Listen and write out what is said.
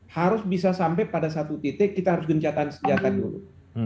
harus bisa sampai pada satu titik kita harus gencatan senjata dulu